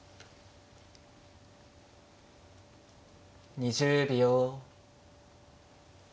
２０秒。